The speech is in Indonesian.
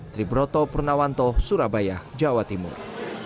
triburoto purnawanto surabaya jawa timur